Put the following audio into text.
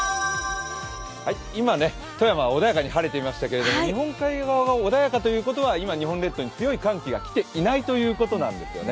今、富山は穏やかに晴れていましたけれども日本海側は穏やかということは、今日本列島に強い寒気が来ていないということなんですよね。